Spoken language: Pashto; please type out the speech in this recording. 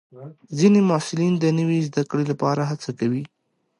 ځینې محصلین د نوي زده کړې لپاره هڅه کوي.